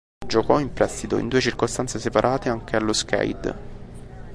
Giocò in prestito, in due circostanze separate, anche allo Skeid.